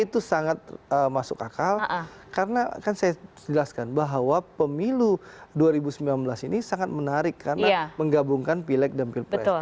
itu sangat masuk akal karena kan saya jelaskan bahwa pemilu dua ribu sembilan belas ini sangat menarik karena menggabungkan pilek dan pilpres